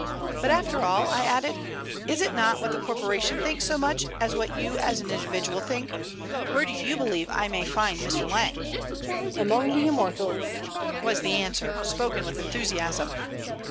"But, after all," I added, "it is not what the corporation thinks so much as what you as an individual think. Where do you believe I may find Mr. Lang?" "Among the Immortals," was the answer, spoken with enthusiasm.